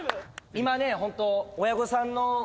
今ねホント。